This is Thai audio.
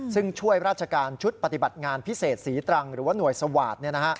ซึ่งช่วยราชการชุดปฏิบัติงานพิเศษศรีตรังหรือว่าหน่วยสวาสตร์